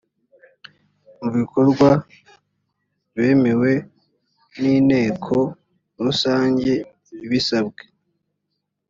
mu bikorwa bemewe n inteko rusange ibisabwe